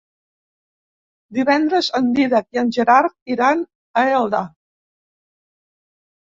Divendres en Dídac i en Gerard iran a Elda.